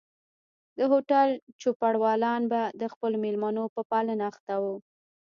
د هوټل چوپړوالان به د خپلو مېلمنو په پالنه اخته وو.